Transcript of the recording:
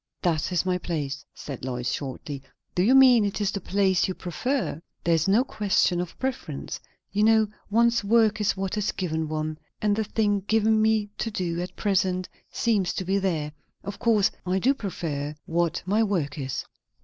"That is my place," said Lois shortly. "Do you mean it is the place you prefer?" "There is no question of preference. You know, one's work is what is given one; and the thing given me to do, at present, seems to be there. Of course I do prefer what my work is."